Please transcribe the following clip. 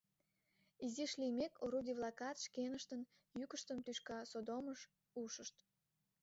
Изиш лиймек, орудий-влакат шкеныштын йӱкыштым тӱшка содомыш ушышт.